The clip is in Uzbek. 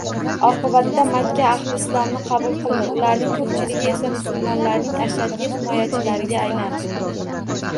Oqibatda Makka ahli islomni qabul qildi, ularning ko‘pchiligi esa musulmonlarning ashaddiy himoyachilariga aylandi